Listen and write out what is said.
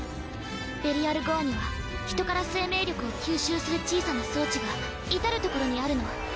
ベリアル・ゴアには人から生命力を吸収する小さな装置が至る所にあるの。